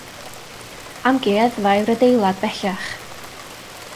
Amgueddfa yw'r adeilad, bellach.